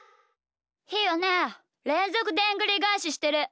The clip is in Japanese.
ひーはねれんぞくでんぐりがえししてる。